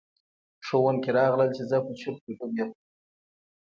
ښوونکي راغلل چې زه په چرت کې ډوب یم.